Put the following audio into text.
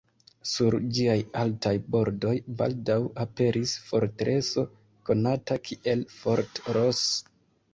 Sur ĝiaj altaj bordoj baldaŭ aperis fortreso konata kiel Fort Ross.